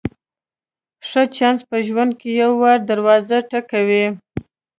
ښه چانس په ژوند کې یو وار دروازه ټکوي.